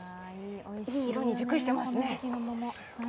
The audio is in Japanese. いい色に熟していますね。